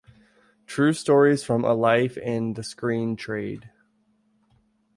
True Stories From A Life in the Screen Trade.